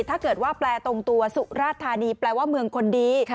ถ้าเกิดว่าแปลตรงตัวสุราธานีแปลว่าเมืองคนดี